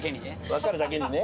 わかるだけにね。